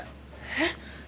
えっ？